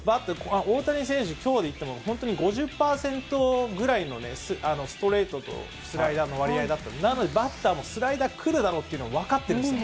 きょうでいっても本当に５０％ぐらいのストレートとスライダーの割合だったので、なのでバッターもスライダー、来るだろうというのが分かってるんですよ。